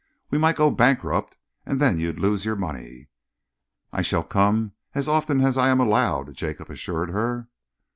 We might go bankrupt, and then you'd lose your money." "I shall come as often as I am allowed," Jacob assured her.